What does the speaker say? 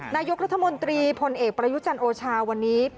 นายกรุธมนตรีผลเอกปรยุจันโอชาววันนี้